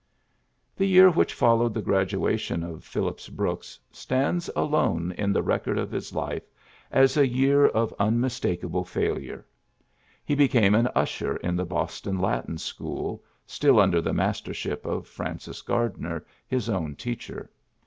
The year which followed the gradua tion of Phillips Brooks stands alone in the record of his life as a year of unmis takable failure. He became an usher in the Boston Latin School, still under the mastership of Francis Gardner, his own teacher.